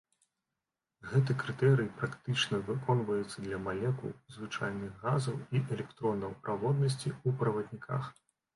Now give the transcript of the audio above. Гэты крытэрый практычна выконваецца для малекул звычайных газаў і электронаў праводнасці ў паўправадніках.